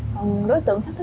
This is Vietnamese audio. còn đối tượng khách thứ hai